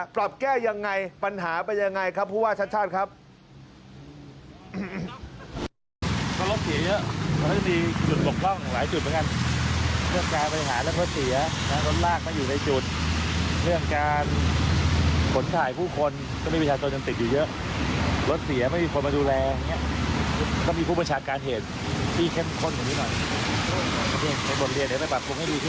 ปรับแก้อย่างไรปัญหาไปอย่างไรครับคุณผู้ว่าชัชชานะครับ